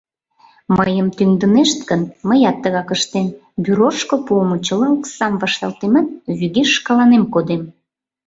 Мыйым тӱҥдынешт гын, мыят тыгак ыштем: «Бюрошко» пуымо чыла оксам вашталтемат, вӱге шкаланем кодем.